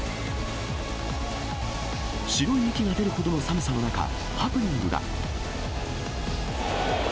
白い息が出るほどの寒さの中、ハプニングが。